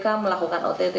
kpu melakukan ott